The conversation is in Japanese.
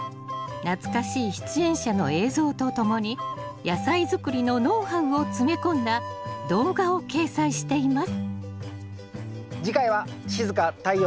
懐かしい出演者の映像とともに野菜作りのノウハウを詰め込んだ動画を掲載しています。